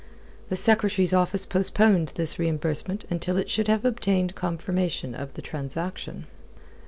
The Secretary's office postponed this reimbursement until it should have obtained confirmation of the transaction.